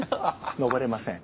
登れません。